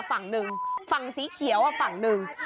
ฝั่งหนึ่งฝั่งสีเขียวฝั่งหนึ่ง